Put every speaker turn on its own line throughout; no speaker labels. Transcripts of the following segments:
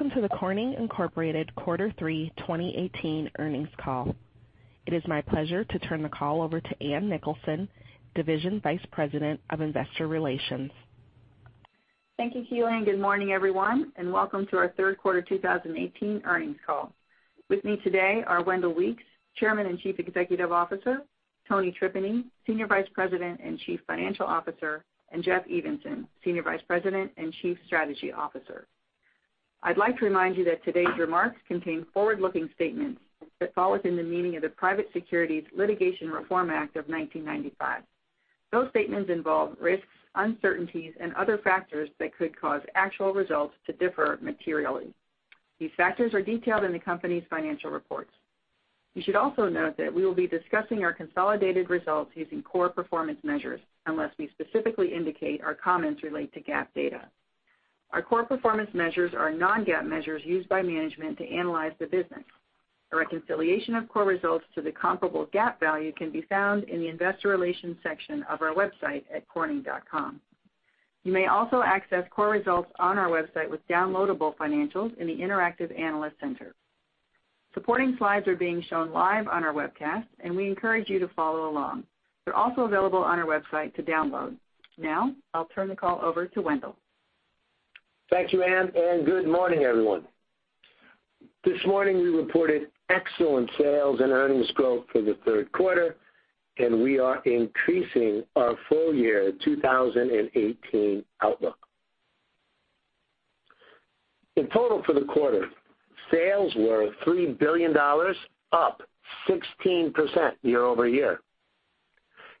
Welcome to the Corning Incorporated Quarter 3 2018 earnings call. It is my pleasure to turn the call over to Ann Nicholson, Division Vice President of Investor Relations.
Thank you, Keely. Good morning, everyone, and welcome to our third quarter 2018 earnings call. With me today are Wendell Weeks, Chairman and Chief Executive Officer, Tony Tripeny, Senior Vice President and Chief Financial Officer, and Jeff Evenson, Senior Vice President and Chief Strategy Officer. I'd like to remind you that today's remarks contain forward-looking statements that fall within the meaning of the Private Securities Litigation Reform Act of 1995. Those statements involve risks, uncertainties, and other factors that could cause actual results to differ materially. These factors are detailed in the company's financial reports. You should also note that we will be discussing our consolidated results using core performance measures, unless we specifically indicate our comments relate to GAAP data. Our core performance measures are non-GAAP measures used by management to analyze the business. A reconciliation of core results to the comparable GAAP value can be found in the investor relations section of our website at corning.com. You may also access core results on our website with downloadable financials in the Interactive Analyst Center. Supporting slides are being shown live on our webcast, and we encourage you to follow along. They're also available on our website to download. Now, I'll turn the call over to Wendell.
Thank you, Ann. Good morning, everyone. This morning, we reported excellent sales and earnings growth for the third quarter, and we are increasing our full year 2018 outlook. In total for the quarter, sales were $3 billion, up 16% year-over-year.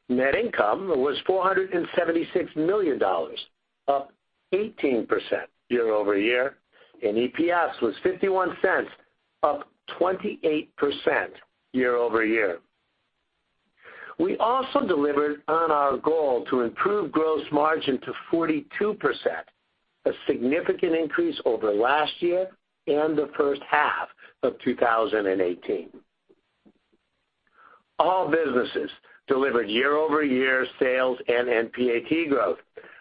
Net income was $476 million, up 18% year-over-year. EPS was $0.51, up 28% year-over-year. We also delivered on our goal to improve gross margin to 42%, a significant increase over last year and the first half of 2018. All businesses delivered year-over-year sales and NPAT growth.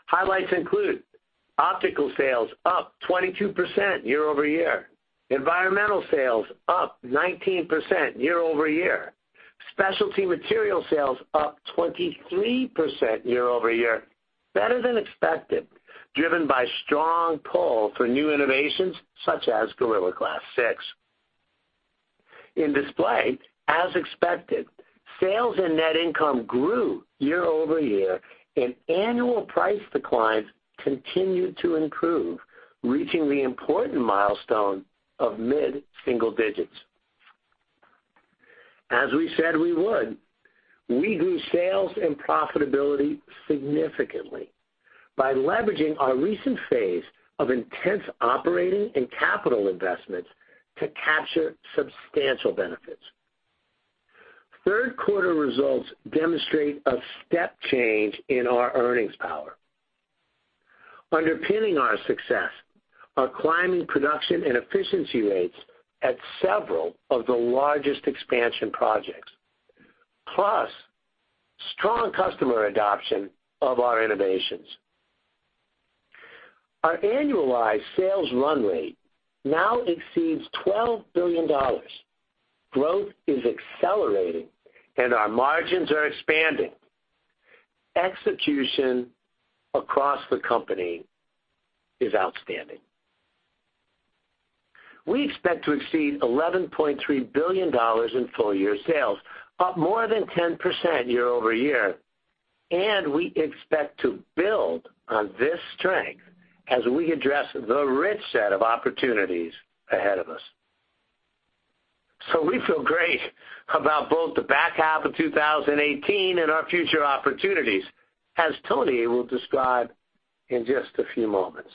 Highlights include Optical sales up 22% year-over-year, Environmental sales up 19% year-over-year, Specialty material sales up 23% year-over-year, better than expected, driven by strong pull for new innovations such as Gorilla Glass 6. In Display, as expected, sales and net income grew year-over-year. Annual price declines continued to improve, reaching the important milestone of mid-single digits. As we said we would, we grew sales and profitability significantly by leveraging our recent phase of intense operating and capital investments to capture substantial benefits. Third quarter results demonstrate a step change in our earnings power. Underpinning our success are climbing production and efficiency rates at several of the largest expansion projects, plus strong customer adoption of our innovations. Our annualized sales run rate now exceeds $12 billion. Growth is accelerating. Our margins are expanding. Execution across the company is outstanding. We expect to exceed $11.3 billion in full-year sales, up more than 10% year-over-year. We expect to build on this strength as we address the rich set of opportunities ahead of us. We feel great about both the back half of 2018 and our future opportunities, as Tony will describe in just a few moments.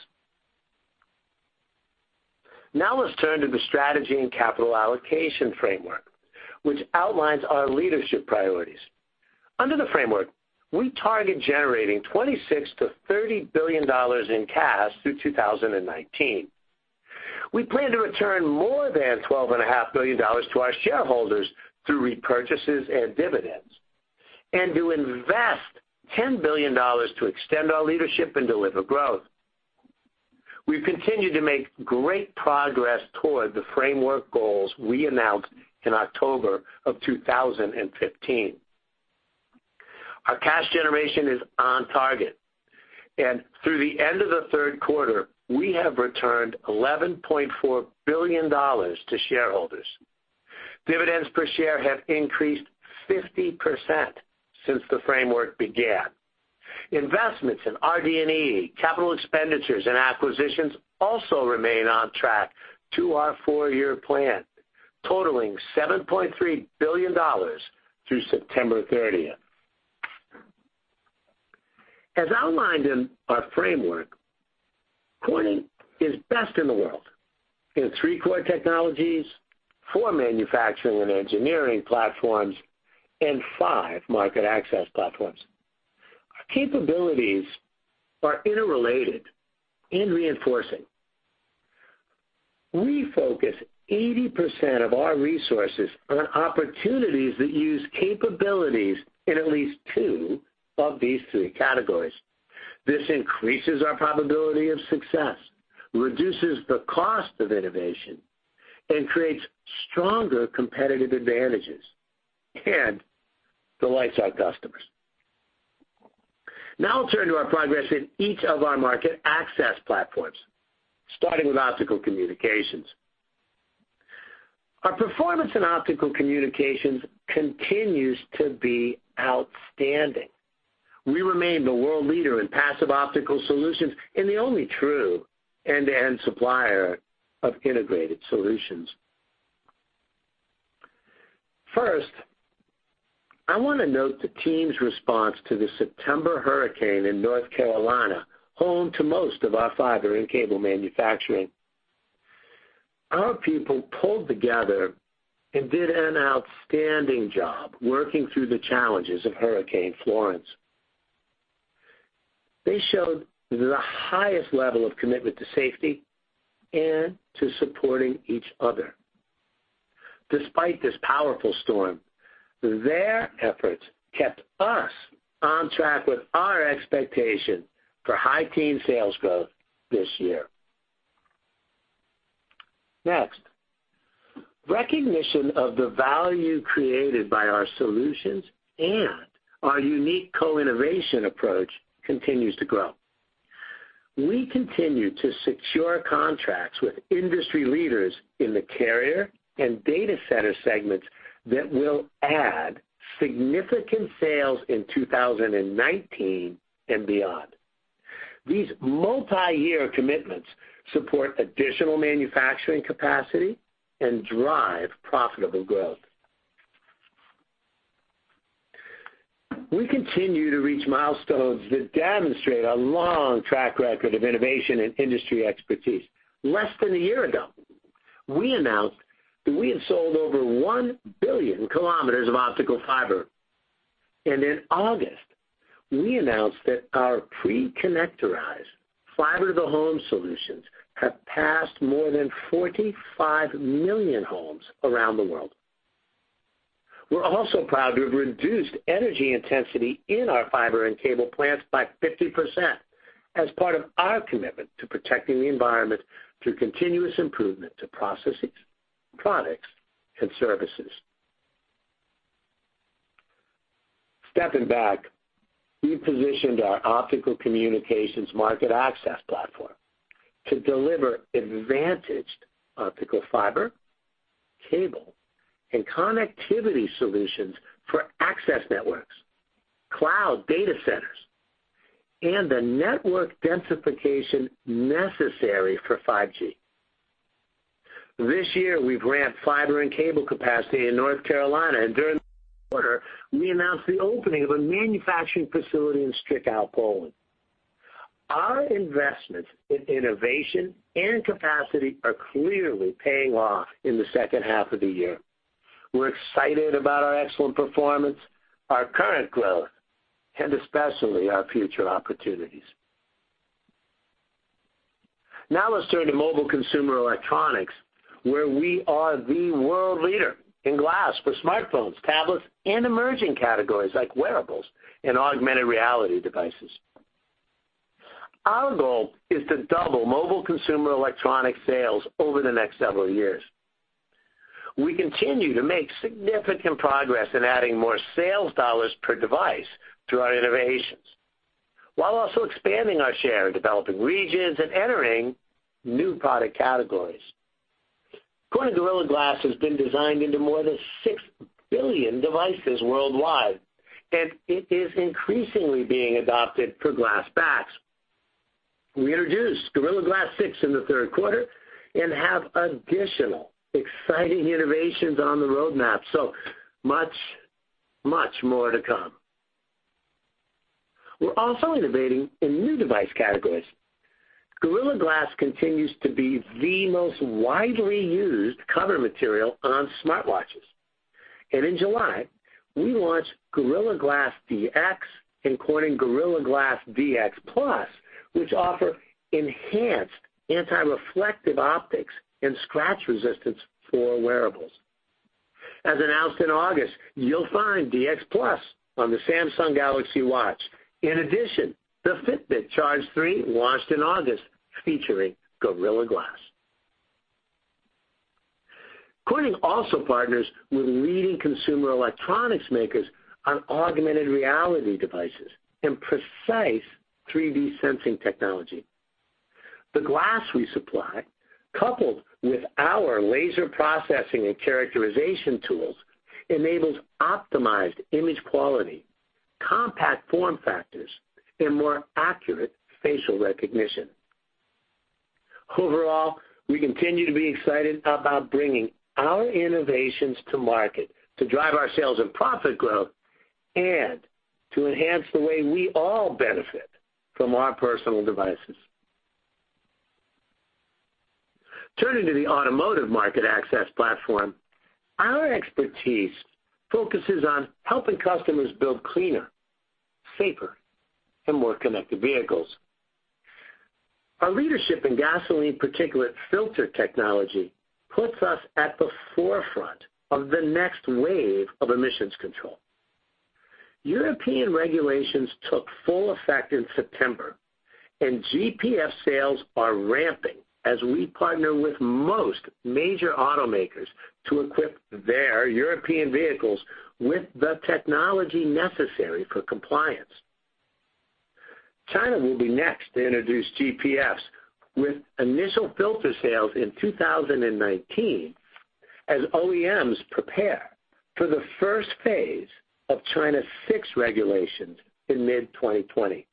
Let's turn to the strategy and capital allocation framework, which outlines our leadership priorities. Under the framework, we target generating $26 billion-$30 billion in cash through 2019. We plan to return more than $12.5 billion to our shareholders through repurchases and dividends and to invest $10 billion to extend our leadership and deliver growth. We continue to make great progress toward the framework goals we announced in October of 2015. Our cash generation is on target. Through the end of the third quarter, we have returned $11.4 billion to shareholders. Dividends per share have increased 50% since the framework began. Investments in RD&E, capital expenditures, and acquisitions also remain on track to our four-year plan, totaling $7.3 billion through September 30th. As outlined in our framework, Corning is best in the world in three core technologies, four manufacturing and engineering platforms, and five market access platforms. Our capabilities are interrelated and reinforcing. We focus 80% of our resources on opportunities that use capabilities in at least two of these three categories. This increases our probability of success, reduces the cost of innovation. Creates stronger competitive advantages and delights our customers. I'll turn to our progress in each of our market access platforms, starting with Optical Communications. Our performance in Optical Communications continues to be outstanding. We remain the world leader in passive optical solutions and the only true end-to-end supplier of integrated solutions. First, I want to note the team's response to the September hurricane in North Carolina, home to most of our fiber and cable manufacturing. Our people pulled together and did an outstanding job working through the challenges of Hurricane Florence. They showed the highest level of commitment to safety and to supporting each other. Despite this powerful storm, their efforts kept us on track with our expectation for high teen sales growth this year. Recognition of the value created by our solutions and our unique co-innovation approach continues to grow. We continue to secure contracts with industry leaders in the carrier and data center segments that will add significant sales in 2019 and beyond. These multi-year commitments support additional manufacturing capacity and drive profitable growth. We continue to reach milestones that demonstrate a long track record of innovation and industry expertise. Less than a year ago, we announced that we have sold over 1 billion kilometers of optical fiber, and in August, we announced that our pre-connectorized fiber-to-the-home solutions have passed more than 45 million homes around the world. We're also proud to have reduced energy intensity in our fiber and cable plants by 50% as part of our commitment to protecting the environment through continuous improvement to processes, products, and services. Stepping back, we positioned our Optical Communications market access platform to deliver advantaged optical fiber, cable, and connectivity solutions for access networks, cloud data centers, and the network densification necessary for 5G. This year, we've ramped fiber and cable capacity in North Carolina, and during the quarter, we announced the opening of a manufacturing facility in Stryków, Poland. Our investments in innovation and capacity are clearly paying off in the second half of the year. We're excited about our excellent performance, our current growth, and especially our future opportunities. Let's turn to mobile consumer electronics, where we are the world leader in glass for smartphones, tablets, and emerging categories like wearables and augmented reality devices. Our goal is to double mobile consumer electronic sales over the next several years. We continue to make significant progress in adding more sales dollars per device through our innovations, while also expanding our share in developing regions and entering new product categories. Corning Gorilla Glass has been designed into more than 6 billion devices worldwide, and it is increasingly being adopted for glass backs. We introduced Gorilla Glass 6 in the third quarter and have additional exciting innovations on the roadmap. Much, much more to come. We're also innovating in new device categories. Gorilla Glass continues to be the most widely used cover material on smartwatches, and in July, we launched Gorilla Glass DX and Corning Gorilla Glass DX+, which offer enhanced anti-reflective optics and scratch resistance for wearables. As announced in August, you'll find DX+ on the Samsung Galaxy Watch. In addition, the Fitbit Charge 3 launched in August featuring Gorilla Glass. Corning also partners with leading consumer electronics makers on augmented reality devices and precise 3D sensing technology. The glass we supply, coupled with our laser processing and characterization tools, enables optimized image quality, compact form factors, and more accurate facial recognition. Overall, we continue to be excited about bringing our innovations to market to drive our sales and profit growth and to enhance the way we all benefit from our personal devices. Turning to the automotive market access platform, our expertise focuses on helping customers build cleaner, safer, and more connected vehicles. Our leadership in gasoline particulate filter technology puts us at the forefront of the next wave of emissions control. European regulations took full effect in September, and GPF sales are ramping as we partner with most major automakers to equip their European vehicles with the technology necessary for compliance. China will be next to introduce GPFs with initial filter sales in 2019, as OEMs prepare for the first phase of China 6 Regulations in mid-2020.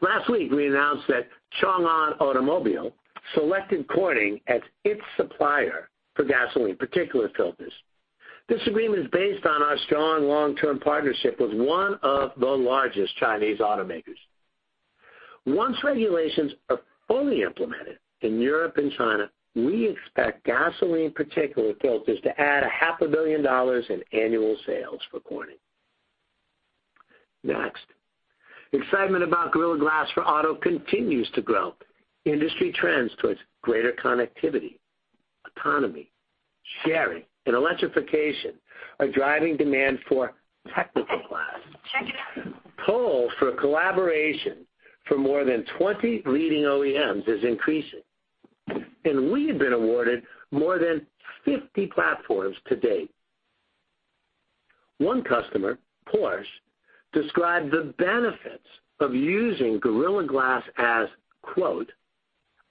Last week, we announced that Changan Automobile selected Corning as its supplier for gasoline particulate filters. This agreement is based on our strong long-term partnership with one of the largest Chinese automakers. Once regulations are fully implemented in Europe and China, we expect gasoline particulate filters to add a half a billion dollars in annual sales for Corning. Next, excitement about Gorilla Glass for auto continues to grow. Industry trends towards greater connectivity, autonomy, sharing, and electrification are driving demand for technical glass. Pull for collaboration for more than 20 leading OEMs is increasing, and we have been awarded more than 50 platforms to date. One customer, Porsche, described the benefits of using Gorilla Glass as,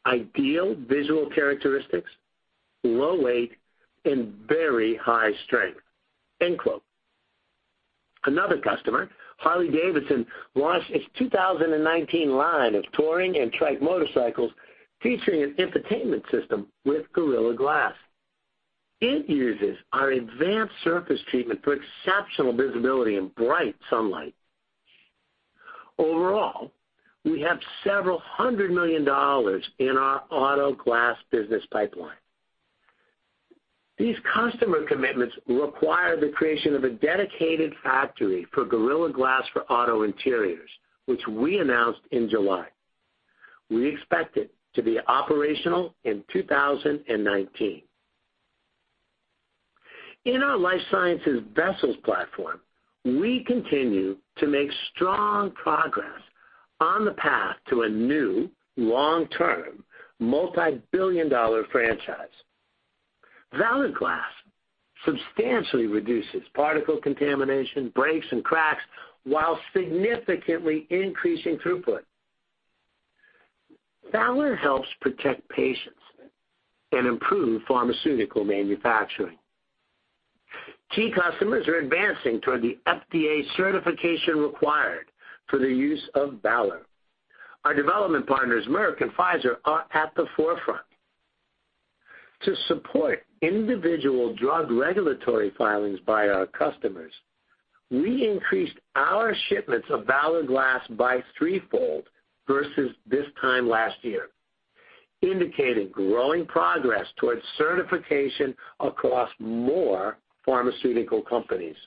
"Ideal visual characteristics, low weight, and very high strength." Another customer, Harley-Davidson, launched its 2019 line of touring and trike motorcycles featuring an infotainment system with Gorilla Glass. It uses our advanced surface treatment for exceptional visibility in bright sunlight. Overall, we have several hundred million dollars in our auto glass business pipeline. These customer commitments require the creation of a dedicated factory for Gorilla Glass for auto interiors, which we announced in July. We expect it to be operational in 2019. In our Life Sciences vessels platform, we continue to make strong progress on the path to a new long-term, multi-billion-dollar franchise. Valor Glass substantially reduces particle contamination, breaks, and cracks while significantly increasing throughput. Valor helps protect patients and improve pharmaceutical manufacturing. Key customers are advancing toward the FDA certification required for the use of Valor. Our development partners, Merck and Pfizer, are at the forefront. To support individual drug regulatory filings by our customers, we increased our shipments of Valor Glass by threefold versus this time last year, indicating growing progress towards certification across more pharmaceutical companies.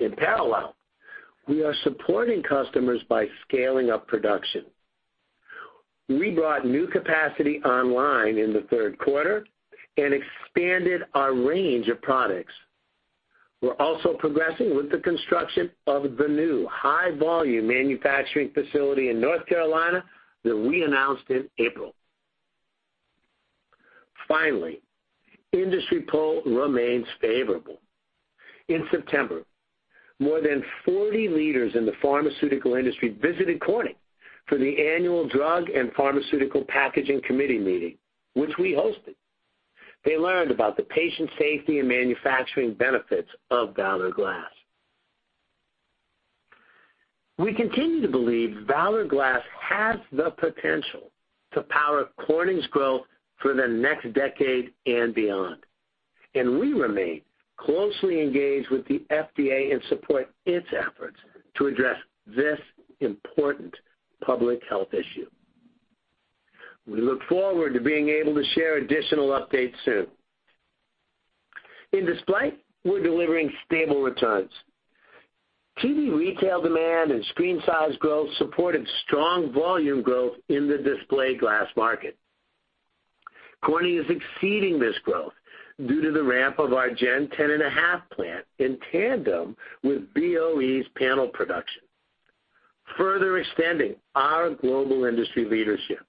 In parallel, we are supporting customers by scaling up production. We brought new capacity online in the third quarter and expanded our range of products. We are also progressing with the construction of the new high-volume manufacturing facility in North Carolina that we announced in April. Industry pull remains favorable. In September, more than 40 leaders in the pharmaceutical industry visited Corning for the annual Drug and Pharmaceutical Packaging Committee meeting, which we hosted. They learned about the patient safety and manufacturing benefits of Valor Glass. We continue to believe Valor Glass has the potential to power Corning's growth for the next decade and beyond, and we remain closely engaged with the FDA and support its efforts to address this important public health issue. We look forward to being able to share additional updates soon. In Display, we are delivering stable returns. TV retail demand and screen size growth supported strong volume growth in the display glass market. Corning is exceeding this growth due to the ramp of our Gen 10.5 plant in tandem with BOE's panel production, further extending our global industry leadership.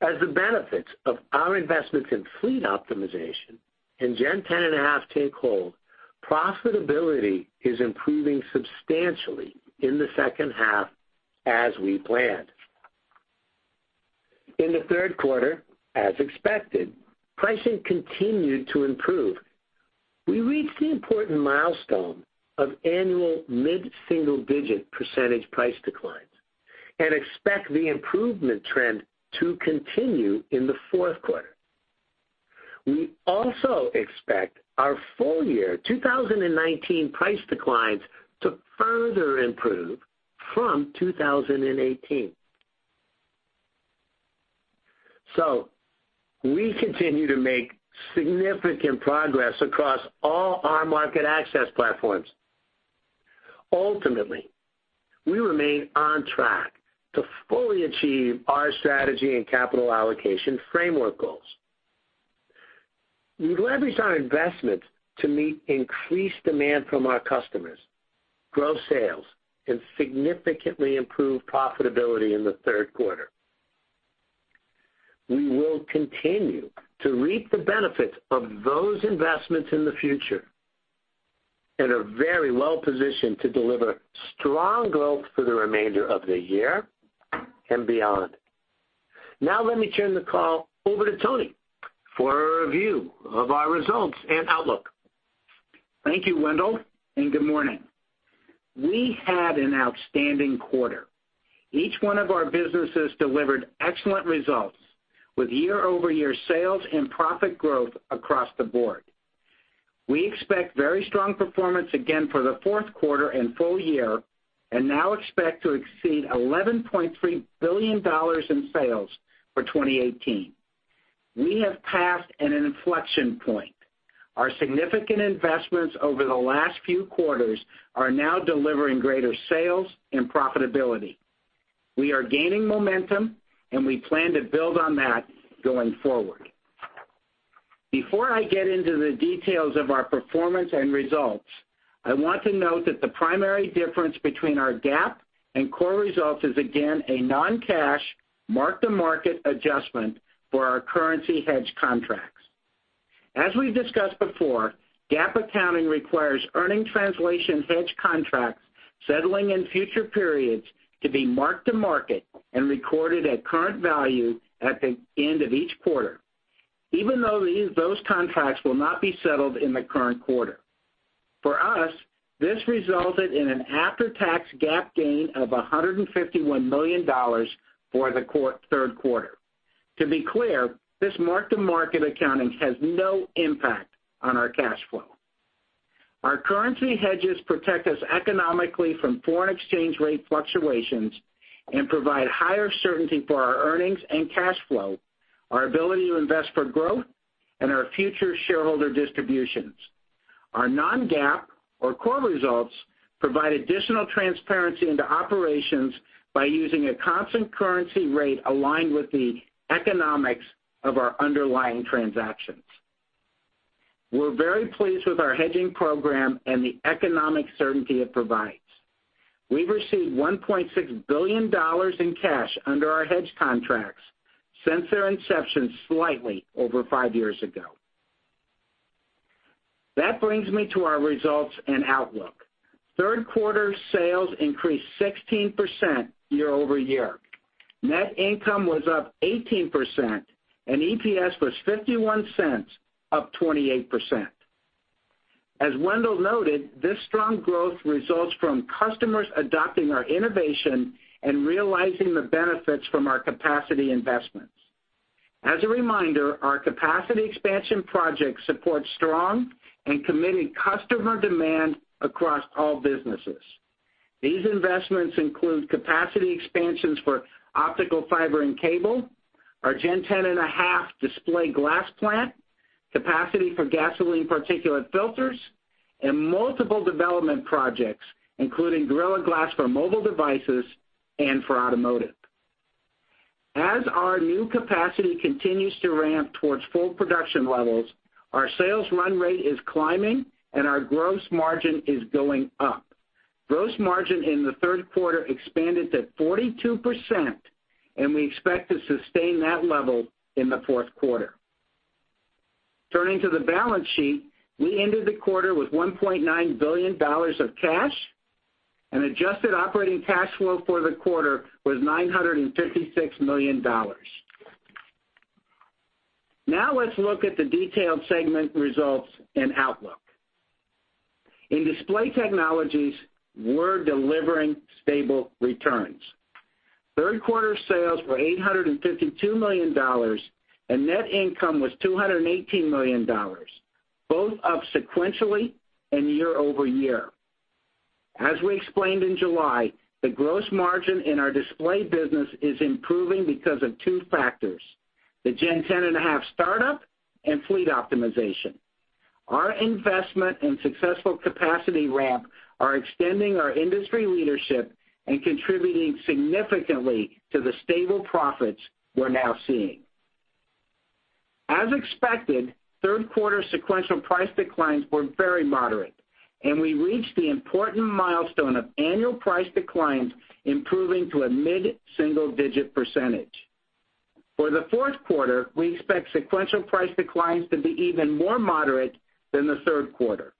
As the benefits of our investments in fleet optimization and Gen 10.5 take hold, profitability is improving substantially in the second half as we planned. In the third quarter, as expected, pricing continued to improve. We reached the important milestone of annual mid-single-digit percentage price declines and expect the improvement trend to continue in the fourth quarter. We also expect our full-year 2019 price declines to further improve from 2018. We continue to make significant progress across all our market access platforms. Ultimately, we remain on track to fully achieve our strategy and capital allocation framework goals. We leveraged our investments to meet increased demand from our customers, grow sales, and significantly improve profitability in the third quarter. We will continue to reap the benefits of those investments in the future and are very well positioned to deliver strong growth for the remainder of the year and beyond. Now let me turn the call over to Tony for a review of our results and outlook.
Thank you, Wendell, and good morning. We had an outstanding quarter. Each one of our businesses delivered excellent results with year-over-year sales and profit growth across the board. We expect very strong performance again for the fourth quarter and full year and now expect to exceed $11.3 billion in sales for 2018. We have passed an inflection point. Our significant investments over the last few quarters are now delivering greater sales and profitability. We are gaining momentum, and we plan to build on that going forward. Before I get into the details of our performance and results, I want to note that the primary difference between our GAAP and core results is again a non-cash, mark-to-market adjustment for our currency hedge contracts. As we've discussed before, GAAP accounting requires earning translation hedge contracts settling in future periods to be mark-to-market and recorded at current value at the end of each quarter, even though those contracts will not be settled in the current quarter. For us, this resulted in an after-tax GAAP gain of $151 million for the third quarter. To be clear, this mark-to-market accounting has no impact on our cash flow. Our currency hedges protect us economically from foreign exchange rate fluctuations and provide higher certainty for our earnings and cash flow, our ability to invest for growth, and our future shareholder distributions. Our non-GAAP, or core results, provide additional transparency into operations by using a constant currency rate aligned with the economics of our underlying transactions. We're very pleased with our hedging program and the economic certainty it provides. We've received $1.6 billion in cash under our hedge contracts since their inception slightly over five years ago. That brings me to our results and outlook. Third quarter sales increased 16% year-over-year. Net income was up 18%, and EPS was $0.51, up 28%. As Wendell noted, this strong growth results from customers adopting our innovation and realizing the benefits from our capacity investments. As a reminder, our capacity expansion project supports strong and committed customer demand across all businesses. These investments include capacity expansions for optical fiber and cable, our Gen 10.5 display glass plant, capacity for gasoline particulate filters, and multiple development projects, including Gorilla Glass for mobile devices and for automotive. As our new capacity continues to ramp towards full production levels, our sales run rate is climbing, and our gross margin is going up. Gross margin in the third quarter expanded to 42%, and we expect to sustain that level in the fourth quarter. Turning to the balance sheet, we ended the quarter with $1.9 billion of cash, and adjusted operating cash flow for the quarter was $956 million. Now let's look at the detailed segment results and outlook. In Display Technologies, we're delivering stable returns. Third quarter sales were $852 million, and net income was $218 million, both up sequentially and year-over-year. As we explained in July, the gross margin in our display business is improving because of two factors, the Gen 10.5 startup and fleet optimization. Our investment and successful capacity ramp are extending our industry leadership and contributing significantly to the stable profits we're now seeing. As expected, third quarter sequential price declines were very moderate, and we reached the important milestone of annual price declines improving to a mid-single-digit %. For the fourth quarter, we expect sequential price declines to be even more moderate than the third quarter.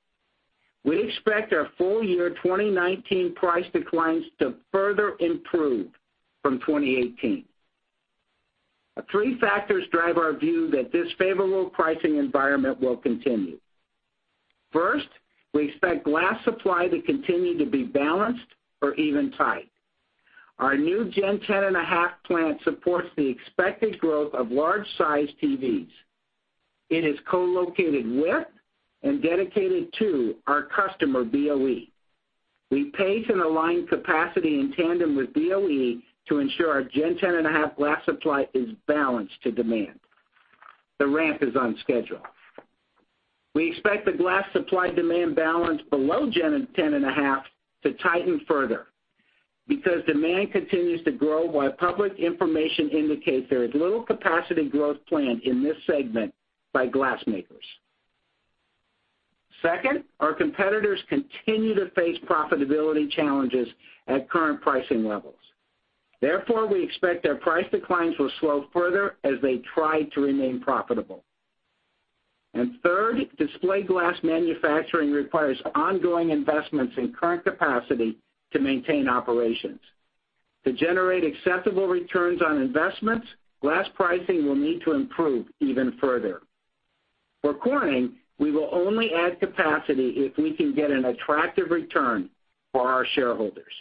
We expect our full year 2019 price declines to further improve from 2018. Three factors drive our view that this favorable pricing environment will continue. First, we expect glass supply to continue to be balanced or even tight. Our new Gen 10.5 plant supports the expected growth of large-sized TVs. It is co-located with and dedicated to our customer, BOE. We pace and align capacity in tandem with BOE to ensure our Gen 10.5 glass supply is balanced to demand. The ramp is on schedule. We expect the glass supply-demand balance below Gen 10.5 to tighten further because demand continues to grow while public information indicates there is little capacity growth planned in this segment by glass makers. Second, our competitors continue to face profitability challenges at current pricing levels. Therefore, we expect their price declines will slow further as they try to remain profitable. Third, display glass manufacturing requires ongoing investments in current capacity to maintain operations. To generate acceptable returns on investments, glass pricing will need to improve even further. For Corning, we will only add capacity if we can get an attractive return for our shareholders.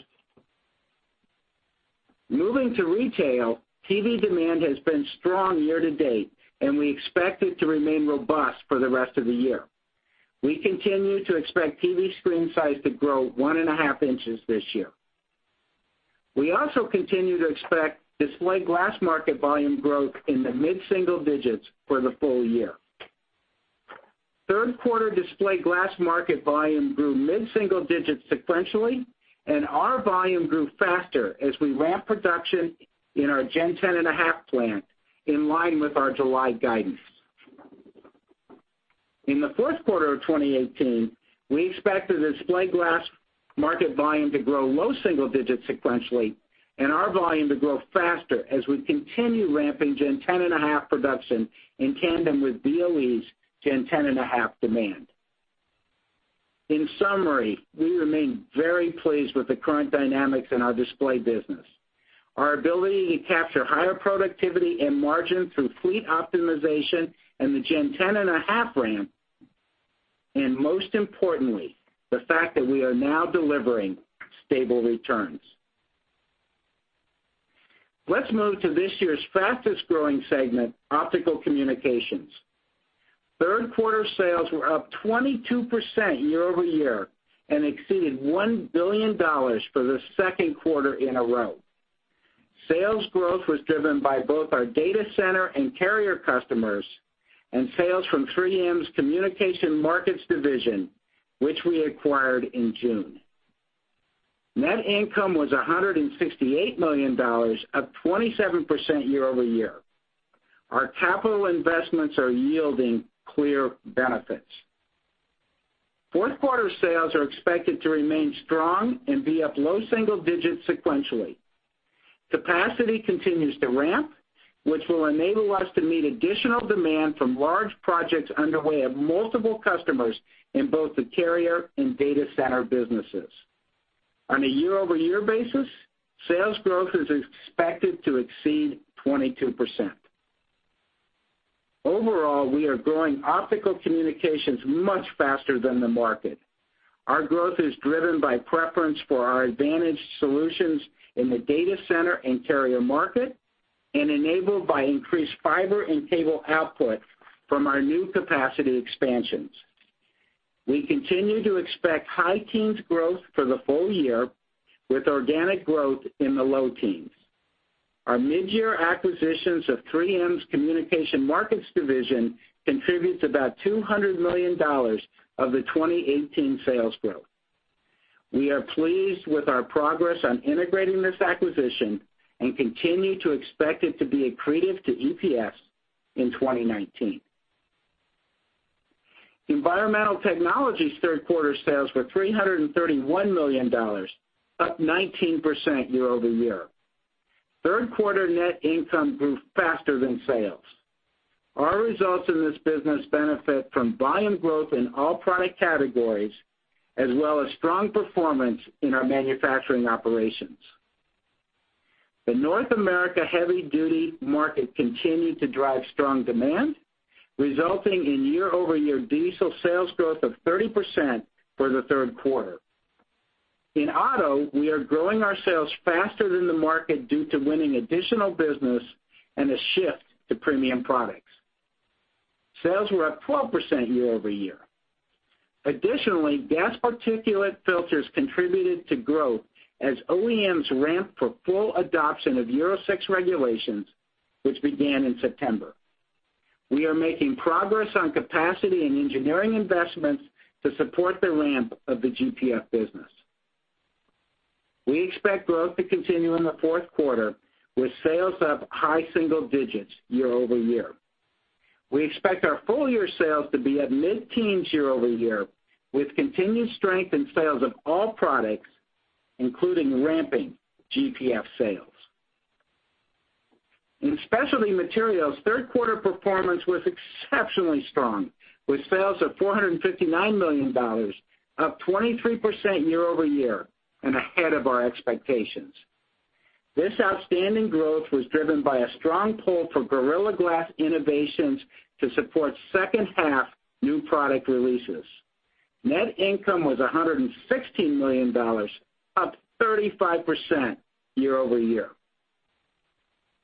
Moving to retail, TV demand has been strong year-to-date, and we expect it to remain robust for the rest of the year. We continue to expect TV screen size to grow one and a half inches this year. We also continue to expect display glass market volume growth in the mid-single digits for the full year. Third quarter display glass market volume grew mid-single digits sequentially, and our volume grew faster as we ramped production in our Gen 10.5 plant, in line with our July guidance. In the fourth quarter of 2018, we expect the display glass market volume to grow low single digits sequentially and our volume to grow faster as we continue ramping Gen 10.5 production in tandem with BOE's Gen 10.5 demand. In summary, we remain very pleased with the current dynamics in our display business, our ability to capture higher productivity and margin through fleet optimization and the Gen 10.5 ramp, and most importantly, the fact that we are now delivering stable returns. Let's move to this year's fastest growing segment, Optical Communications. Third quarter sales were up 22% year-over-year and exceeded $1 billion for the second quarter in a row. Sales growth was driven by both our data center and carrier customers and sales from 3M's Communication Markets division, which we acquired in June. Net income was $168 million, up 27% year-over-year. Our capital investments are yielding clear benefits. Fourth quarter sales are expected to remain strong and be up low single digits sequentially. Capacity continues to ramp, which will enable us to meet additional demand from large projects underway at multiple customers in both the carrier and data center businesses. On a year-over-year basis, sales growth is expected to exceed 22%. Overall, we are growing Optical Communications much faster than the market. Our growth is driven by preference for our advantage solutions in the data center and carrier market and enabled by increased fiber and cable output from our new capacity expansions. We continue to expect high teens growth for the full year with organic growth in the low teens. Our mid-year acquisitions of 3M's Communication Markets division contributes about $200 million of the 2018 sales growth. We are pleased with our progress on integrating this acquisition and continue to expect it to be accretive to EPS in 2019. Environmental Technologies third quarter sales were $331 million, up 19% year-over-year. Third quarter net income grew faster than sales. Our results in this business benefit from volume growth in all product categories, as well as strong performance in our manufacturing operations. The North America heavy-duty market continued to drive strong demand, resulting in year-over-year diesel sales growth of 30% for the third quarter. In auto, we are growing our sales faster than the market due to winning additional business and a shift to premium products. Sales were up 12% year-over-year. Additionally, gas particulate filters contributed to growth as OEMs ramped for full adoption of Euro 6 regulations, which began in September. We are making progress on capacity and engineering investments to support the ramp of the GPF business. We expect growth to continue in the fourth quarter, with sales up high single digits year-over-year. We expect our full year sales to be up mid-teens year-over-year, with continued strength in sales of all products, including ramping GPF sales. In Specialty Materials, third quarter performance was exceptionally strong, with sales of $459 million, up 23% year-over-year and ahead of our expectations. This outstanding growth was driven by a strong pull for Gorilla Glass innovations to support second half new product releases. Net income was $116 million, up 35% year-over-year.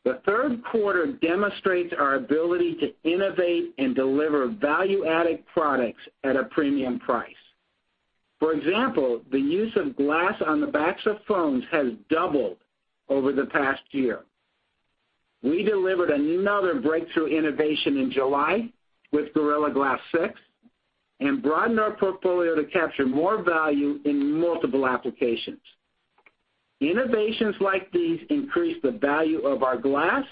The third quarter demonstrates our ability to innovate and deliver value-added products at a premium price. For example, the use of glass on the backs of phones has doubled over the past year. We delivered another breakthrough innovation in July with Gorilla Glass 6 and broadened our portfolio to capture more value in multiple applications. Innovations like these increase the value of our glass,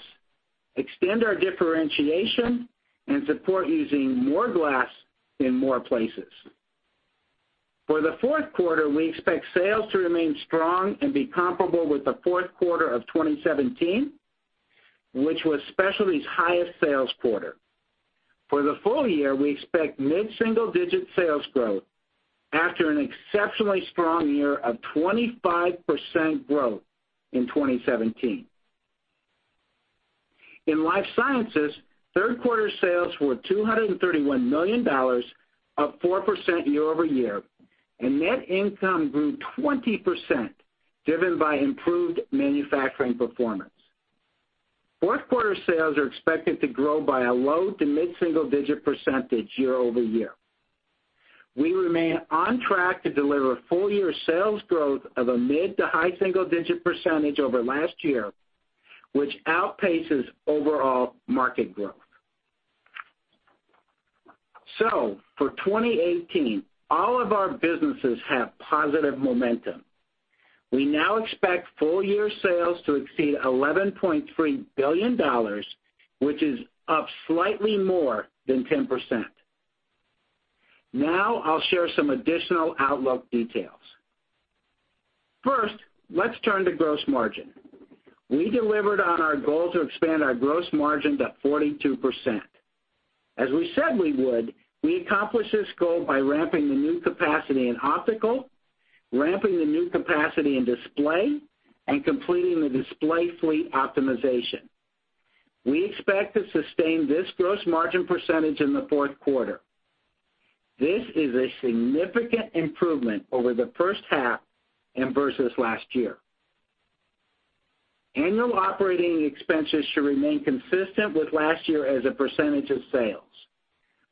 extend our differentiation, and support using more glass in more places. For the fourth quarter, we expect sales to remain strong and be comparable with the fourth quarter of 2017, which was Specialty's highest sales quarter. For the full year, we expect mid-single-digit sales growth after an exceptionally strong year of 25% growth in 2017. In Life Sciences, third quarter sales were $231 million, up 4% year-over-year, and net income grew 20%, driven by improved manufacturing performance. Fourth quarter sales are expected to grow by a low to mid-single digit percentage year-over-year. We remain on track to deliver full year sales growth of a mid to high single digit percentage over last year, which outpaces overall market growth. For 2018, all of our businesses have positive momentum. We now expect full year sales to exceed $11.3 billion, which is up slightly more than 10%. I'll share some additional outlook details. Let's turn to gross margin. We delivered on our goal to expand our gross margin to 42%. As we said we would, we accomplished this goal by ramping the new capacity in Optical Communications, ramping the new capacity in Display Technologies, and completing the Display Technologies fleet optimization. We expect to sustain this gross margin percentage in the fourth quarter. This is a significant improvement over the first half and versus last year. Annual operating expenses should remain consistent with last year as a percentage of sales.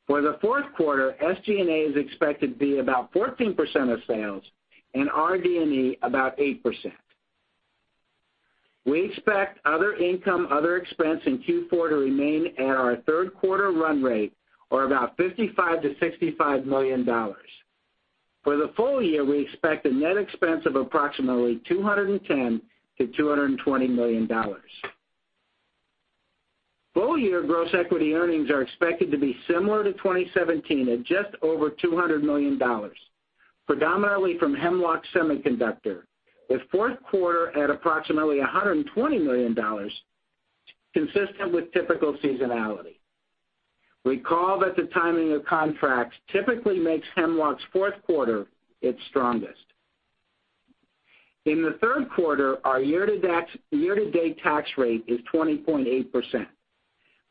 For the fourth quarter, SG&A is expected to be about 14% of sales and RD&E about 8%. We expect other income, other expense in Q4 to remain at our third quarter run rate, or about $55 million-$65 million. For the full year, we expect a net expense of approximately $210 million-$220 million. Full year gross equity earnings are expected to be similar to 2017 at just over $200 million, predominantly from Hemlock Semiconductor, with fourth quarter at approximately $120 million, consistent with typical seasonality. Recall that the timing of contracts typically makes Hemlock's fourth quarter its strongest. In the third quarter, our year-to-date tax rate is 20.8%.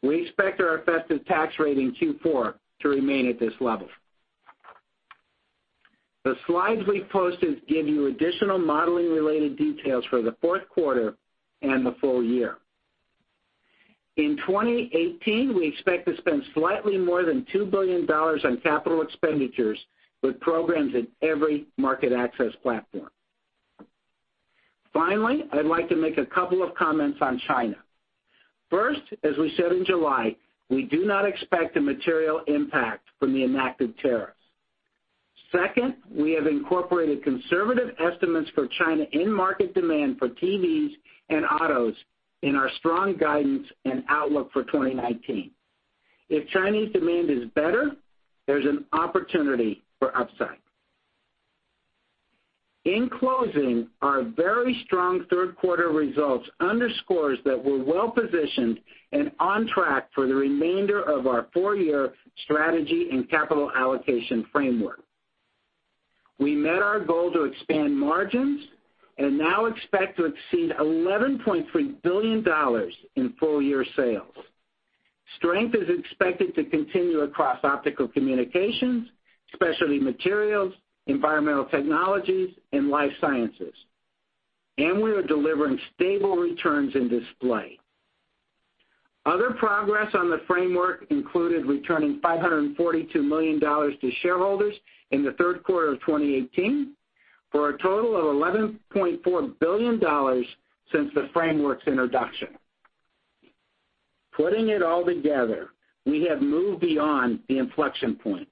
We expect our effective tax rate in Q4 to remain at this level. The slides we posted give you additional modeling-related details for the fourth quarter and the full year. In 2018, we expect to spend slightly more than $2 billion on capital expenditures, with programs in every Market Access Platform. I'd like to make a couple of comments on China. As we said in July, we do not expect a material impact from the enacted tariffs. We have incorporated conservative estimates for China end market demand for TVs and autos in our strong guidance and outlook for 2019. If Chinese demand is better, there's an opportunity for upside. Our very strong third quarter results underscores that we're well positioned and on track for the remainder of our four-year strategy and capital allocation framework. We met our goal to expand margins and now expect to exceed $11.3 billion in full-year sales. Strength is expected to continue across Optical Communications, Specialty Materials, Environmental Technologies, and Life Sciences. We are delivering stable returns in Display Technologies. Other progress on the framework included returning $542 million to shareholders in the third quarter of 2018 for a total of $11.4 billion since the framework's introduction. We have moved beyond the inflection point.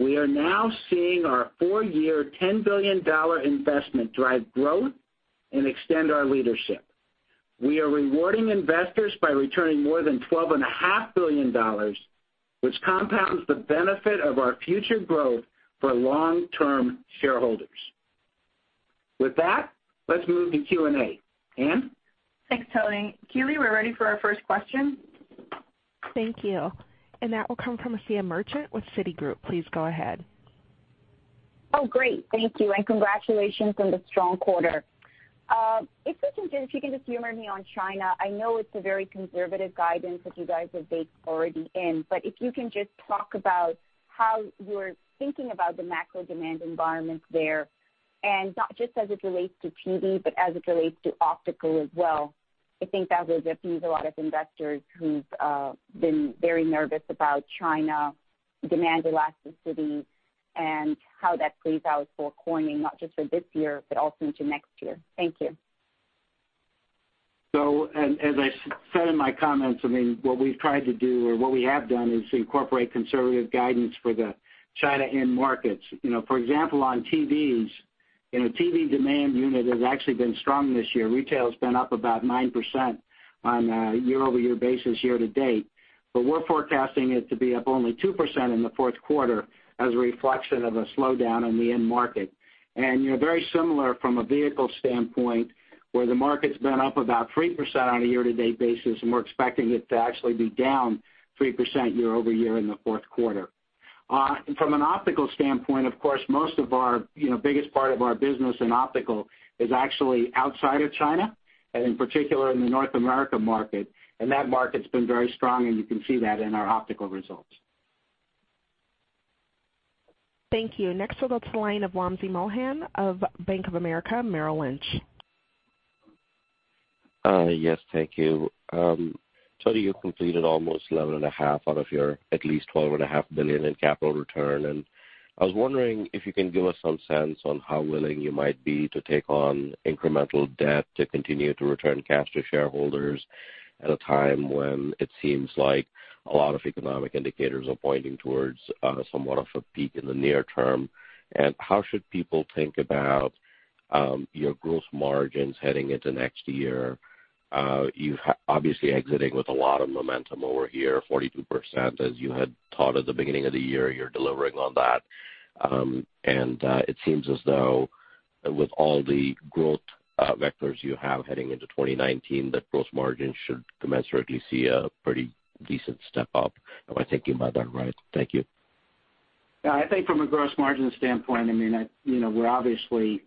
We are now seeing our four-year, $10 billion investment drive growth and extend our leadership. We are rewarding investors by returning more than $12.5 billion, which compounds the benefit of our future growth for long-term shareholders. With that, let's move to Q&A. Ann?
Thanks, Tony. Keely, we're ready for our first question.
Thank you. That will come from Asiya Merchant with Citigroup. Please go ahead.
Great. Thank you, and congratulations on the strong quarter. If you can just humor me on China, I know it's a very conservative guidance that you guys have baked already in, but if you can just talk about how you're thinking about the macro demand environment there. Not just as it relates to TV, but as it relates to Optical as well. I think that will appease a lot of investors who've been very nervous about China demand elasticity and how that plays out for Corning, not just for this year, but also into next year. Thank you.
As I said in my comments, what we've tried to do or what we have done is incorporate conservative guidance for the China end markets. For example, on TVs, TV demand unit has actually been strong this year. Retail's been up about 9% on a year-over-year basis year to date. We're forecasting it to be up only 2% in the fourth quarter as a reflection of a slowdown in the end market. Very similar from a vehicle standpoint, where the market's been up about 3% on a year to date basis, and we're expecting it to actually be down 3% year-over-year in the fourth quarter. From an optical standpoint, of course, most of our biggest part of our business in optical is actually outside of China, and in particular in the North America market. That market's been very strong, and you can see that in our optical results.
Thank you. Next, we'll go to the line of Wamsi Mohan of Bank of America Merrill Lynch.
Yes, thank you. You completed almost $11.5 billion out of your at least $12.5 billion in capital return, and I was wondering if you can give us some sense on how willing you might be to take on incremental debt to continue to return cash to shareholders at a time when it seems like a lot of economic indicators are pointing towards somewhat of a peak in the near term. How should people think about your gross margins heading into next year? You obviously exiting with a lot of momentum over here, 42%, as you had thought at the beginning of the year, you're delivering on that. It seems as though with all the growth vectors you have heading into 2019, that gross margin should commensurately see a pretty decent step up. I think you might have that right. Thank you.
Yeah, I think from a gross margin standpoint, we're obviously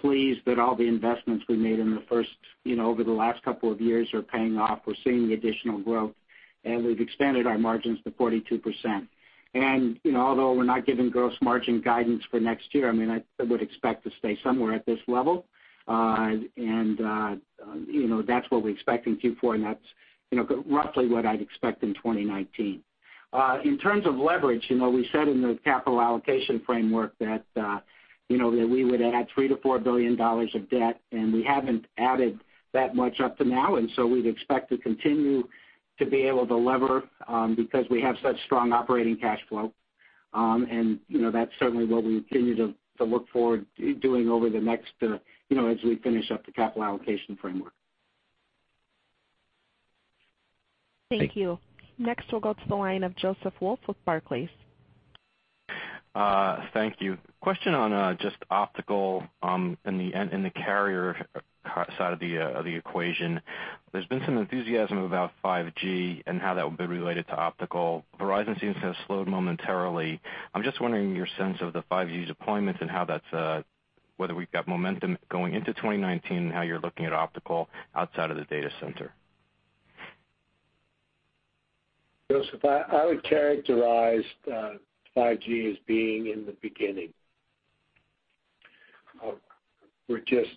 pleased that all the investments we made over the last couple of years are paying off. We're seeing the additional growth, and we've expanded our margins to 42%. Although we're not giving gross margin guidance for next year, I would expect to stay somewhere at this level. That's what we expect in Q4, and that's roughly what I'd expect in 2019. In terms of leverage, we said in the capital allocation framework that we would add $3 billion to $4 billion of debt, and we haven't added that much up to now. So we'd expect to continue to be able to lever because we have such strong operating cash flow. That's certainly what we continue to look forward doing over the next, as we finish up the capital allocation framework.
Thank you. Next, we'll go to the line of Joseph Wolf with Barclays.
Thank you. Question on just optical in the carrier side of the equation. There's been some enthusiasm about 5G and how that would be related to optical. Verizon seems to have slowed momentarily. I'm just wondering your sense of the 5G deployments and whether we've got momentum going into 2019 and how you're looking at optical outside of the data center.
Joseph, I would characterize 5G as being in the beginning. We're just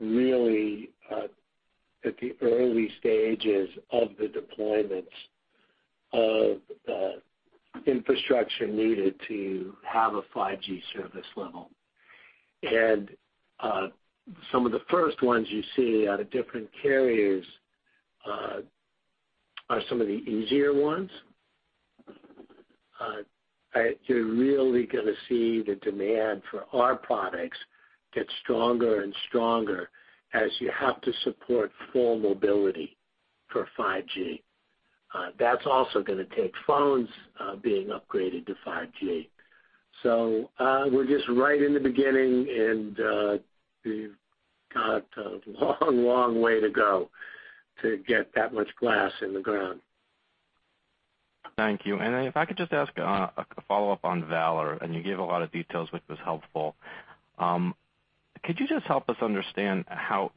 really at the early stages of the deployments of the infrastructure needed to have a 5G service level. Some of the first ones you see out of different carriers are some of the easier ones. You're really going to see the demand for our products get stronger and stronger as you have to support full mobility for 5G. That's also going to take phones being upgraded to 5G. We're just right in the beginning, and we've got a long way to go to get that much glass in the ground.
Thank you. If I could just ask a follow-up on Valor, you gave a lot of details, which was helpful. Could you just help us understand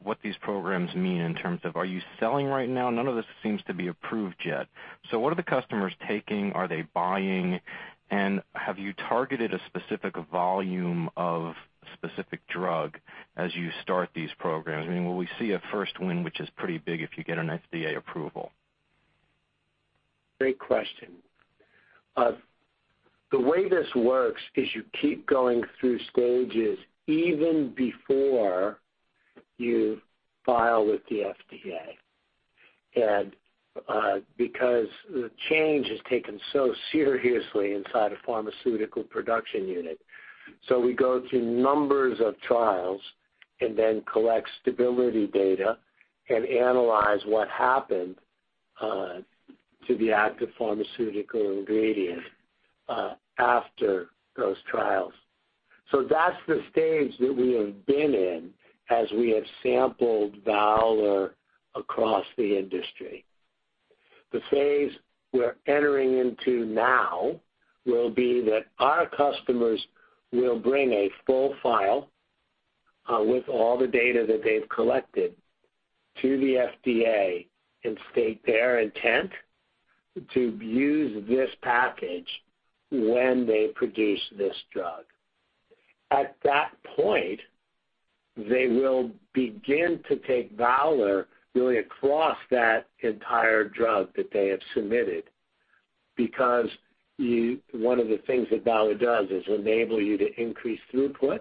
what these programs mean in terms of are you selling right now? None of this seems to be approved yet. What are the customers taking? Are they buying? Have you targeted a specific volume of specific drug as you start these programs? Will we see a first win, which is pretty big if you get an FDA approval?
Great question. The way this works is you keep going through stages even before you file with the FDA. Because the change is taken so seriously inside a pharmaceutical production unit. We go through numbers of trials and then collect stability data and analyze what happened to the active pharmaceutical ingredient after those trials. That's the stage that we have been in as we have sampled Valor across the industry. The phase we're entering into now will be that our customers will bring a full file with all the data that they've collected
To the FDA and state their intent to use this package when they produce this drug. At that point, they will begin to take Valor really across that entire drug that they have submitted. Because one of the things that Valor does is enable you to increase throughput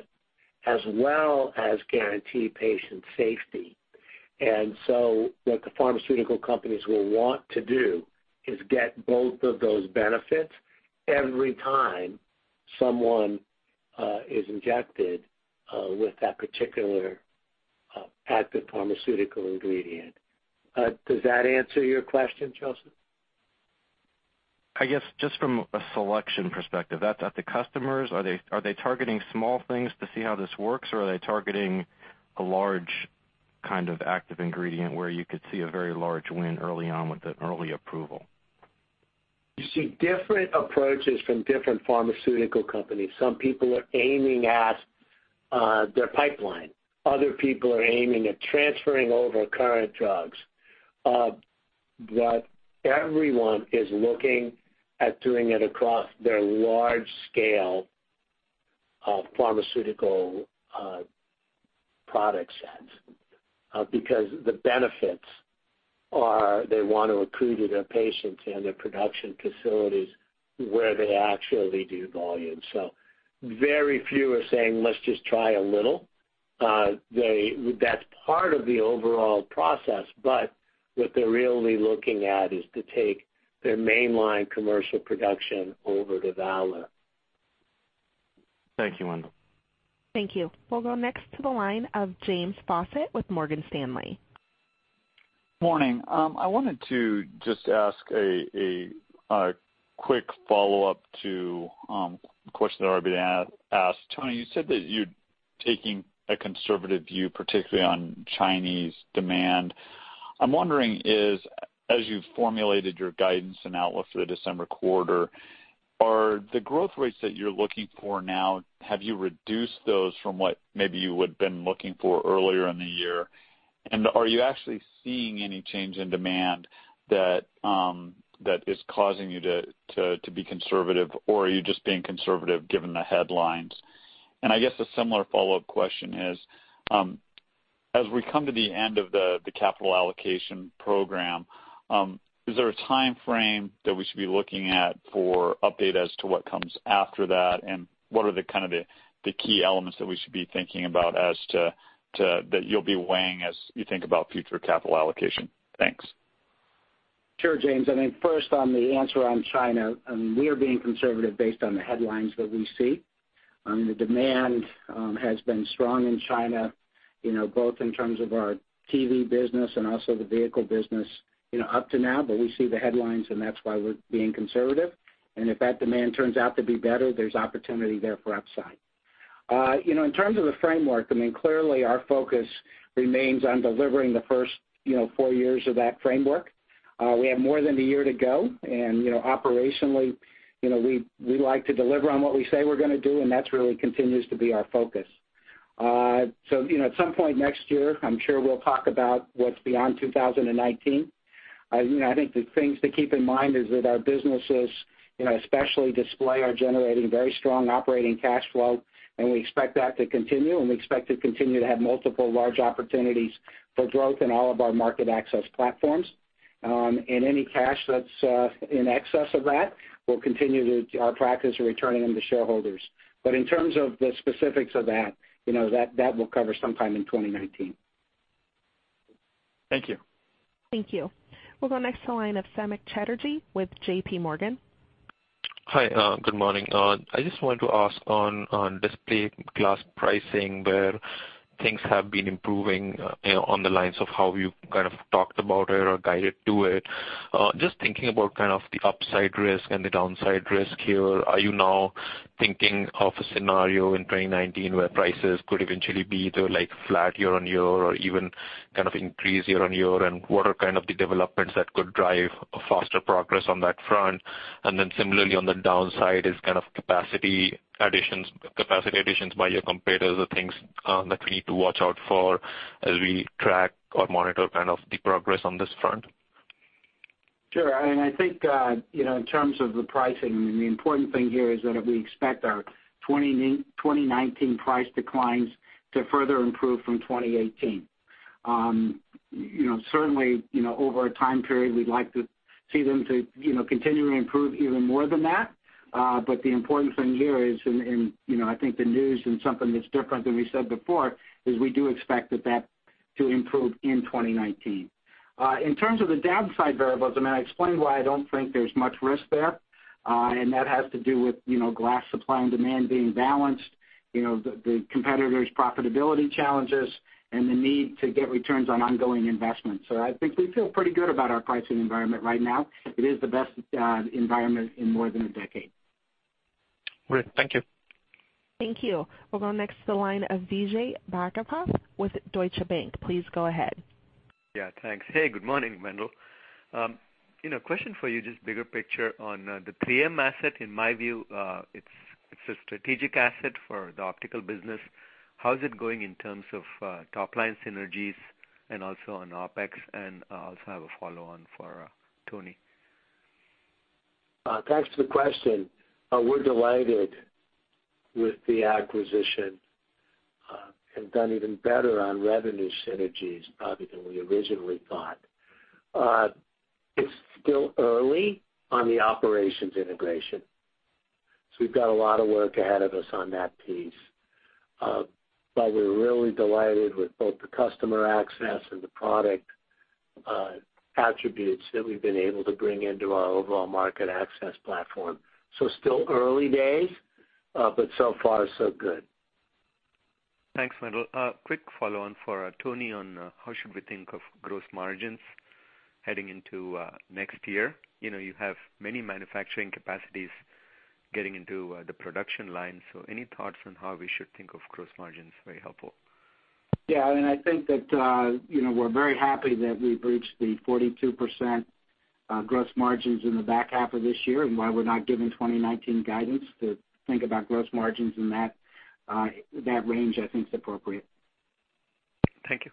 as well as guarantee patient safety. What the pharmaceutical companies will want to do is get both of those benefits every time someone is injected with that particular active pharmaceutical ingredient. Does that answer your question, Joseph?
I guess just from a selection perspective, the customers, are they targeting small things to see how this works or are they targeting a large kind of active ingredient where you could see a very large win early on with an early approval?
You see different approaches from different pharmaceutical companies. Some people are aiming at their pipeline. Other people are aiming at transferring over current drugs. Everyone is looking at doing it across their large scale of pharmaceutical product sets. The benefits are they want to recruit their patients and their production facilities where they actually do volume. Very few are saying, "Let's just try a little." That's part of the overall process, but what they're really looking at is to take their mainline commercial production over to Valor.
Thank you, Wendell.
Thank you. We'll go next to the line of James Faucette with Morgan Stanley.
Morning. I wanted to just ask a quick follow-up to a question that I already asked. Tony, you said that you're taking a conservative view, particularly on Chinese demand. I'm wondering is, as you've formulated your guidance and outlook for the December quarter, are the growth rates that you're looking for now, have you reduced those from what maybe you would've been looking for earlier in the year? Are you actually seeing any change in demand that is causing you to be conservative, or are you just being conservative given the headlines? I guess a similar follow-up question is, as we come to the end of the capital allocation program, is there a timeframe that we should be looking at for update as to what comes after that, and what are the kind of the key elements that we should be thinking about that you'll be weighing as you think about future capital allocation? Thanks.
Sure, James. I think first on the answer on China, we are being conservative based on the headlines that we see. The demand has been strong in China, both in terms of our TV business and also the vehicle business up to now, we see the headlines, that's why we're being conservative. If that demand turns out to be better, there's opportunity there for upside. In terms of the framework, clearly our focus remains on delivering the first four years of that framework. We have more than a year to go and operationally, we like to deliver on what we say we're going to do, and that really continues to be our focus. At some point next year, I'm sure we'll talk about what's beyond 2019. I think the things to keep in mind is that our businesses, especially display, are generating very strong operating cash flow, we expect that to continue, we expect to continue to have multiple large opportunities for growth in all of our market access platforms. Any cash that's in excess of that, we'll continue our practice of returning them to shareholders. In terms of the specifics of that we'll cover sometime in 2019.
Thank you.
Thank you. We'll go next to the line of Samik Chatterjee with JPMorgan.
Hi, good morning. I just wanted to ask on display glass pricing, where things have been improving on the lines of how you kind of talked about it or guided to it. Just thinking about kind of the upside risk and the downside risk here, are you now thinking of a scenario in 2019 where prices could eventually be either flat year-on-year or even kind of increase year-on-year, and what are the developments that could drive a faster progress on that front? Then similarly on the downside is kind of capacity additions by your competitors are things that we need to watch out for as we track or monitor kind of the progress on this front?
Sure. I think in terms of the pricing, the important thing here is that we expect our 2019 price declines to further improve from 2018. Certainly, over a time period, we'd like to see them to continually improve even more than that. The important thing here is, and I think the news and something that's different than we said before, is we do expect that to improve in 2019. In terms of the downside variables, I explained why I don't think there's much risk there. That has to do with glass supply and demand being balanced. The competitors' profitability challenges and the need to get returns on ongoing investments. I think we feel pretty good about our pricing environment right now. It is the best environment in more than a decade.
Great. Thank you.
Thank you. We'll go next to the line of Vijay Bhagavath with Deutsche Bank. Please go ahead.
Yeah, thanks. Hey, good morning, Wendell. A question for you, just bigger picture on the 3M asset. In my view, it's a strategic asset for the optical business. How is it going in terms of top-line synergies and also on OpEx? I also have a follow-on for Tony.
Thanks for the question. We're delighted with the acquisition, have done even better on revenue synergies probably than we originally thought. It's still early on the operations integration, we've got a lot of work ahead of us on that piece. We're really delighted with both the customer access and the product attributes that we've been able to bring into our overall market access platform. Still early days, but so far, so good.
Thanks, Wendell. A quick follow-on for Tony on how should we think of gross margins heading into next year. You have many manufacturing capacities getting into the production line, so any thoughts on how we should think of gross margins, very helpful.
Yeah. I think that we're very happy that we've reached the 42% gross margins in the back half of this year, and why we're not giving 2019 guidance to think about gross margins in that range, I think is appropriate.
Thank you.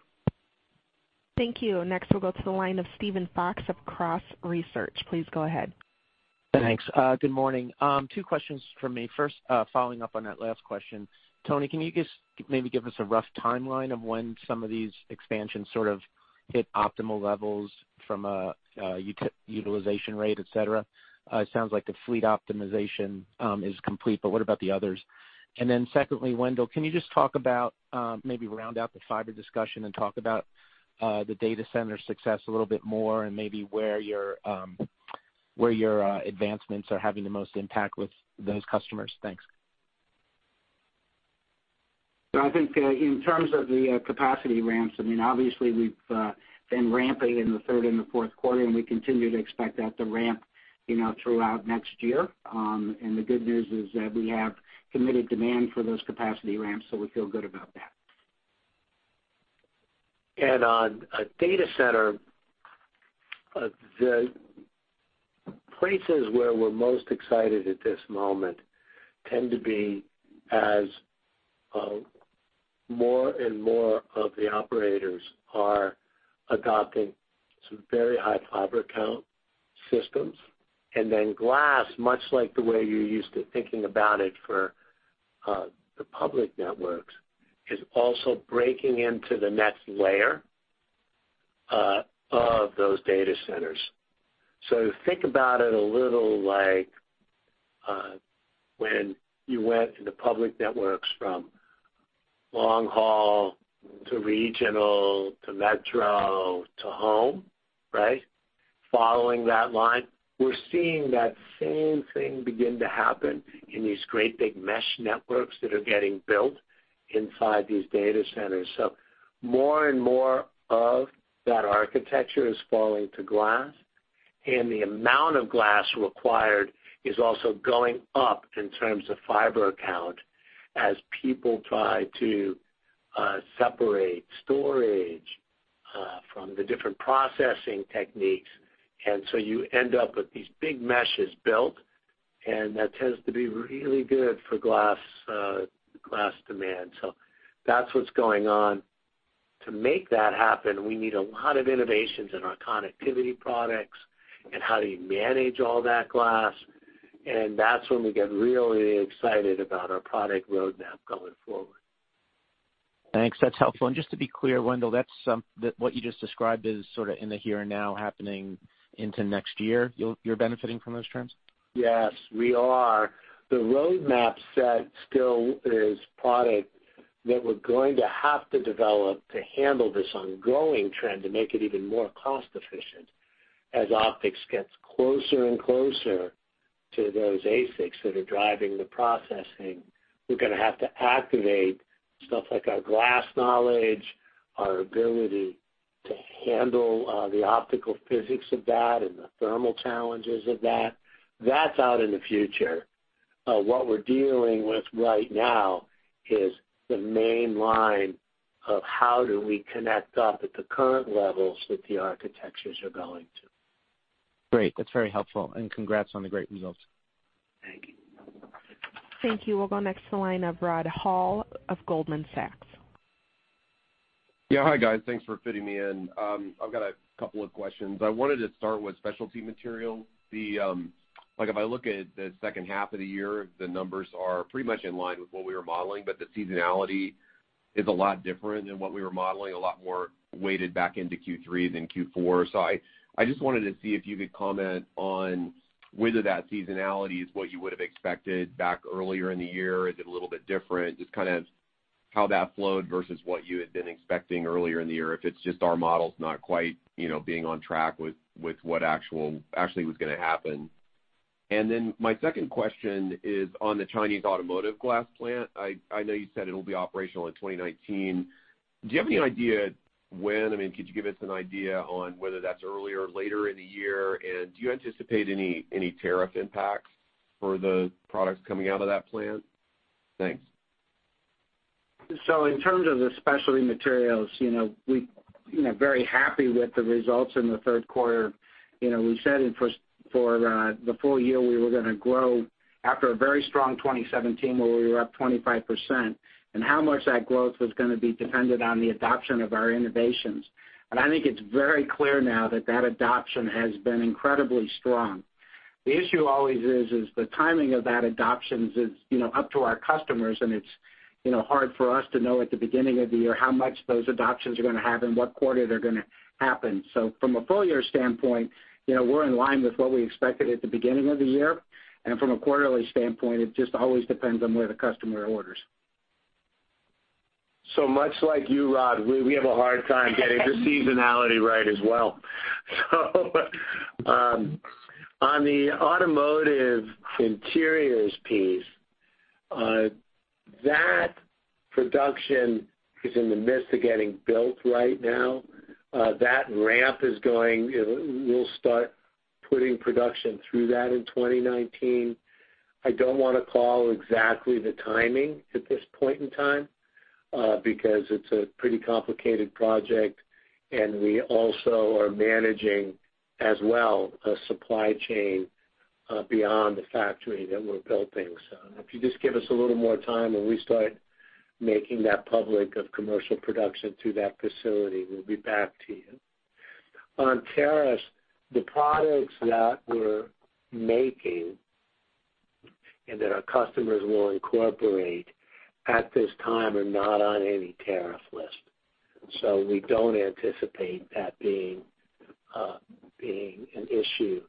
Thank you. Next, we'll go to the line of Steven Fox of Cross Research. Please go ahead.
Thanks. Good morning. Two questions from me. First, following up on that last question. Tony, can you just maybe give us a rough timeline of when some of these expansions sort of hit optimal levels from a utilization rate, et cetera? It sounds like the fleet optimization is complete, but what about the others? Secondly, Wendell, can you just talk about, maybe round out the fiber discussion and talk about the data center success a little bit more and maybe where your advancements are having the most impact with those customers? Thanks.
I think in terms of the capacity ramps, obviously we've been ramping in the third and the fourth quarter, and we continue to expect that to ramp throughout next year. The good news is that we have committed demand for those capacity ramps. We feel good about that.
On data center, the places where we're most excited at this moment tend to be as more and more of the operators are adopting some very high fiber count systems. Glass, much like the way you're used to thinking about it for the public networks, is also breaking into the next layer of those data centers. Think about it a little like when you went to the public networks from long haul to regional to metro to home. Following that line, we're seeing that same thing begin to happen in these great big mesh networks that are getting built inside these data centers. More and more of that architecture is falling to glass. The amount of glass required is also going up in terms of fiber count as people try to separate storage from the different processing techniques. You end up with these big meshes built. That tends to be really good for glass demand. That's what's going on. To make that happen, we need a lot of innovations in our connectivity products. How do you manage all that glass? That's when we get really excited about our product roadmap going forward.
Just to be clear, Wendell, what you just described is sort of in the here and now happening into next year, you're benefiting from those trends?
Yes, we are. The roadmap set still is product that we're going to have to develop to handle this ongoing trend to make it even more cost efficient. As optics gets closer and closer to those ASICs that are driving the processing, we're going to have to activate stuff like our glass knowledge, our ability to handle the optical physics of that and the thermal challenges of that. That's out in the future. What we're dealing with right now is the main line of how do we connect up at the current levels that the architectures are going to.
Great. That's very helpful, congrats on the great results.
Thank you.
Thank you. We'll go next to the line of Rod Hall of Goldman Sachs.
Yeah. Hi, guys. Thanks for fitting me in. I've got a couple of questions. I wanted to start with Specialty Materials. The numbers are pretty much in line with what we were modeling, but the seasonality is a lot different than what we were modeling, a lot more weighted back into Q3 than Q4. I just wanted to see if you could comment on whether that seasonality is what you would have expected back earlier in the year. Is it a little bit different? Just kind of how that flowed versus what you had been expecting earlier in the year, if it's just our model's not quite being on track with what actually was going to happen. My second question is on the Chinese automotive glass plant. I know you said it'll be operational in 2019. Do you have any idea when, could you give us an idea on whether that's earlier or later in the year, and do you anticipate any tariff impacts for the products coming out of that plant? Thanks.
In terms of the Specialty Materials, we're very happy with the results in the third quarter. We said it for the full year, we were going to grow after a very strong 2017, where we were up 25%, and how much that growth was going to be depended on the adoption of our innovations. I think it's very clear now that that adoption has been incredibly strong. The issue always is the timing of that adoption is up to our customers, and it's hard for us to know at the beginning of the year how much those adoptions are going to have and what quarter they're going to happen. From a full-year standpoint, we're in line with what we expected at the beginning of the year. From a quarterly standpoint, it just always depends on where the customer orders.
Much like you, Rod, we have a hard time getting the seasonality right as well. On the automotive interiors piece, that production is in the midst of getting built right now. That ramp is going. We'll start putting production through that in 2019. I don't want to call exactly the timing at this point in time, because it's a pretty complicated project, and we also are managing as well a supply chain beyond the factory that we're building. If you just give us a little more time when we start making that public of commercial production to that facility, we'll be back to you. On tariffs, the products that we're making and that our customers will incorporate at this time are not on any tariff list. We don't anticipate that being an issue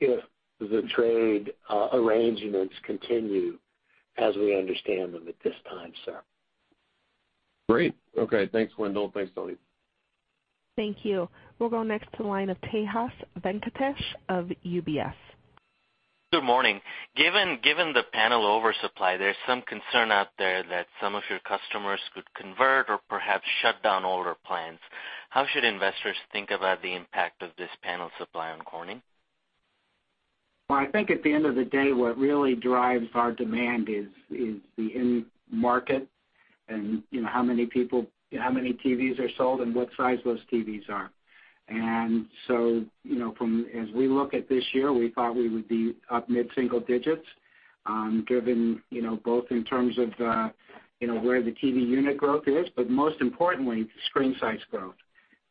if the trade arrangements continue as we understand them at this time, sir.
Great. Okay. Thanks, Wendell. Thanks, Tony.
Thank you. We'll go next to the line of Tejas Venkatesh of UBS.
Good morning. Given the panel oversupply, there's some concern out there that some of your customers could convert or perhaps shut down older plants. How should investors think about the impact of this panel supply on Corning?
Well, I think at the end of the day, what really drives our demand is the end market and how many TVs are sold and what size those TVs are. As we look at this year, we thought we would be up mid-single digits, given both in terms of where the TV unit growth is, but most importantly, screen size growth.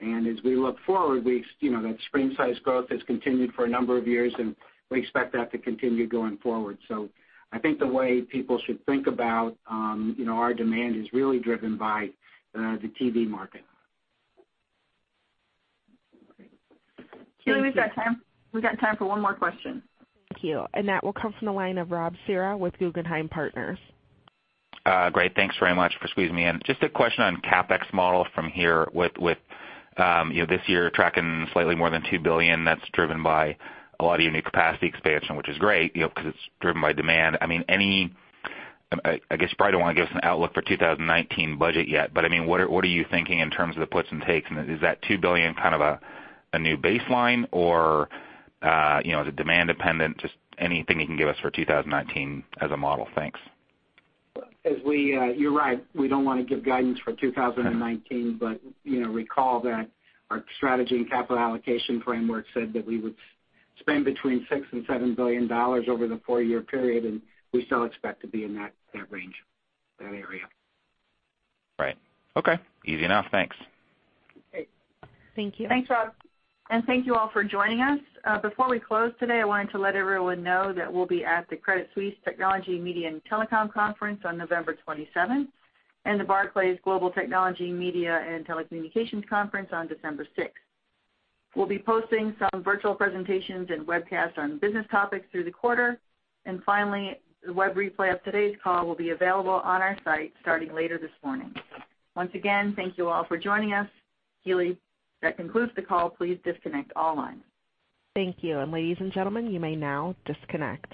As we look forward, that screen size growth has continued for a number of years, and we expect that to continue going forward. I think the way people should think about our demand is really driven by the TV market.
Keely, we've got time for one more question.
Thank you. That will come from the line of Rob Cihra with Guggenheim Partners.
Great. Thanks very much for squeezing me in. Just a question on CapEx model from here with this year tracking slightly more than $2 billion, that's driven by a lot of unique capacity expansion, which is great, because it's driven by demand. I guess you probably don't want to give us an outlook for 2019 budget yet, but what are you thinking in terms of the puts and takes? Is that $2 billion kind of a new baseline, or is it demand-dependent? Just anything you can give us for 2019 as a model. Thanks.
You're right, we don't want to give guidance for 2019, but recall that our strategy and capital allocation framework said that we would spend between $6 billion and $7 billion over the four-year period, and we still expect to be in that range, that area.
Right. Okay. Easy enough. Thanks.
Great. Thank you.
Thanks, Rob. Thank you all for joining us. Before we close today, I wanted to let everyone know that we'll be at the Credit Suisse Technology, Media & Telecom Conference on November 27th, and the Barclays Global Technology, Media and Telecommunications Conference on December 6th. We'll be posting some virtual presentations and webcasts on business topics through the quarter. Finally, the web replay of today's call will be available on our site starting later this morning. Once again, thank you all for joining us. Keely, that concludes the call. Please disconnect all lines.
Thank you. Ladies and gentlemen, you may now disconnect.